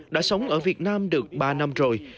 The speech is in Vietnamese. đã sống ở việt nam được ba năm rồi